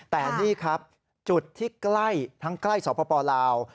แต่นี่ครับจุดที่ใกล้ทั้งใกล้สปลาว